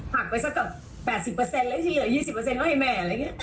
หักไปสัก๘๐แล้วทีเหลือ๒๐ของให้แม่